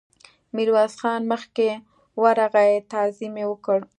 ميرويس خان مخکې ورغی، تعظيم يې وکړ.